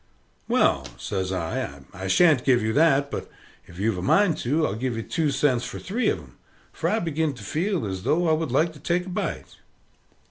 "Well," says I, "I shan't give you that, but, if you've a mind to, I'll give you two cents for three of them, for I begin to feel a little as though I would like to take a bite."